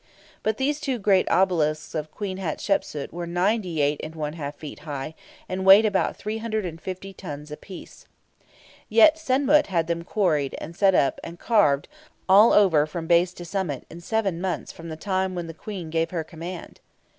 But these two great obelisks of Queen Hatshepsut were 98 1/2 feet high, and weighed about 350 tons apiece. Yet Sen mut had them quarried, and set up, and carved all over from base to summit in seven months from the time when the Queen gave her command!